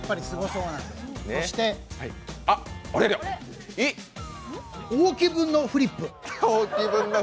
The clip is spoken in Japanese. そして、大木分のフリップ。